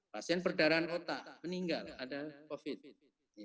pasien perdarahan otak meninggal ada covid